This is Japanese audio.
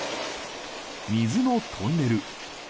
水のトンネル。